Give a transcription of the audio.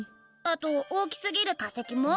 あと大きすぎる化石も？